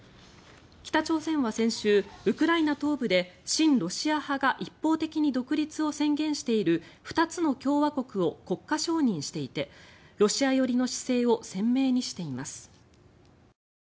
北朝鮮は先週ウクライナ東部で親ロシア派が一方的に独立を宣言している２つの共和国を国家承認していてロシア寄りの姿勢を鮮明にしています。